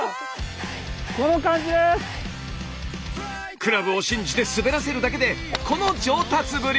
クラブを信じて滑らせるだけでこの上達ぶり！